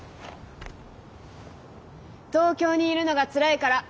東京にいるのがつらいから。